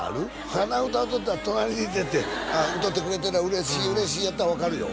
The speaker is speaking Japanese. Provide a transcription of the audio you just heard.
鼻歌歌うてたら隣にいてて歌うてくれてるわ嬉しい嬉しいやったら分かるよ